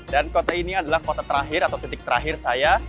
kota ini adalah kota terakhir atau titik terakhir saya